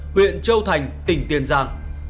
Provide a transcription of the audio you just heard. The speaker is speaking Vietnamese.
huyện châu thành tỉnh tiên giang